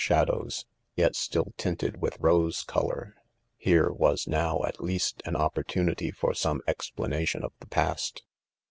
shadows, yet still tinted with rose color* Herewas; now, at. leas V an opportuni ty for some explanation of the past.